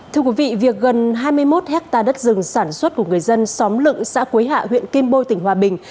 thưa quý vị việc gần hai mươi một hectare đất rừng sản xuất của người dân xóm lựng xã quế hạ huyện kim bôi tỉnh hòa bình